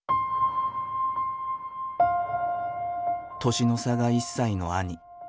年の差が１歳の兄。